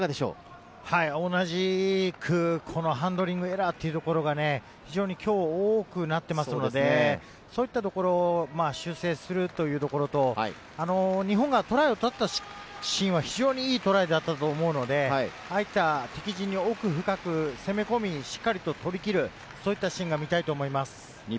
同じく、ハンドリングエラーというところが非常にきょう多くなっていますので、そういったところを修正するというところと、日本がトライを取ったシーンは非常にいいトライだったと思うので、ああいった、敵陣奥深くに攻め込み、しっかりと取り切る、そういったシーンが見たいと思います。